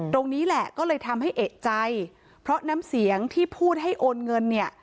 ตรงนี้แหละก็เลยทำให้เอกใจเพราะน้ำเสียงที่พูดให้โอนเงินเนี่ย